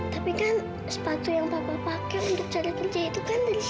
tapi kan sepatu yang papa pakai untuk cari kerja itu kan dari sita